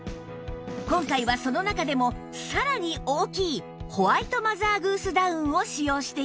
今回はその中でもさらに大きいホワイトマザーグースダウンを使用しています